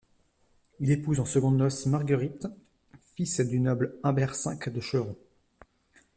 Il épouse en secondes noces Marguerite, fils du noble Humbert V de Chevron.